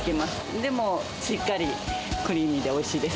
でも、しっかりクリーミーでおいしいです。